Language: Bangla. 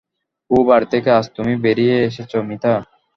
ও বাড়ি থেকে আজ তুমি বেরিয়ে এসেছ মিতা।